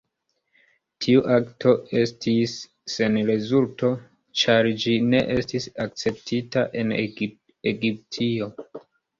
Tiu akto estis sen rezulto, ĉar ĝi ne estis akceptita en Egiptio.